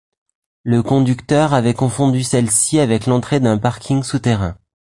Le conducteur avait confondu celle-ci avec l'entrée d'un parking souterrain.